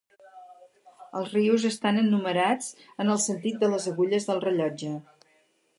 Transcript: Els rius estan enumerats en el sentit de les agulles del rellotge.